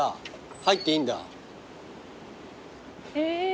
入っていいんだ。え。